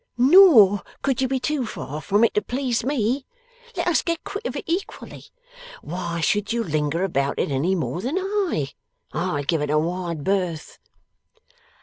'Nor could you be too far from it to please me. Let us get quit of it equally. Why should you linger about it any more than I? I give it a wide berth.